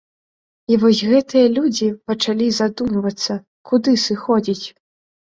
І вось гэтыя людзі пачалі задумвацца, куды сыходзіць?